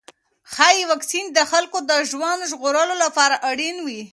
ښايي واکسین د خلکو د ژوند ژغورلو لپاره اړین وي.